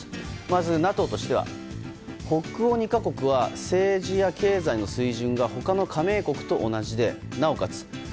まずＮＡＴＯとしては北欧２か国は政治や経済の水準が他の加盟国と同じでなおかつ